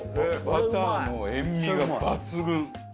バターの塩味が抜群！